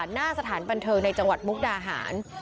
หน้าสถานบันเทิงในจังหวัดมุกดาหาร